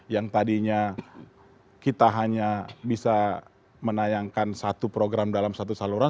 yang tadinya kita hanya bisa menayangkan satu program dalam satu saluran